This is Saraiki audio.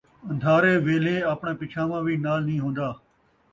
اندھارے ویلھے آپݨاں پچھانواں وی نال نئیں ہوندا